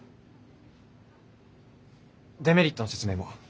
デメリットの説明も。